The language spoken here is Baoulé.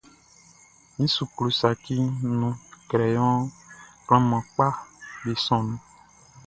Min suklu saciʼn nunʼn, crayon klanman kpaʼm be sɔnnin.